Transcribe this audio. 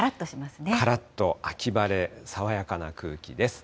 からっと秋晴れ、爽やかな空気です。